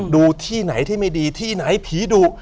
ดูที่ไหนที่ไม่ดีที่ไหนผีดุ